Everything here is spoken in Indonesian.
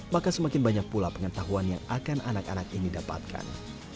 maka semakin banyak pula pengetahuan yang akan anak anak ini dapatkan